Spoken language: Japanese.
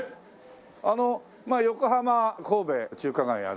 あの横浜神戸中華街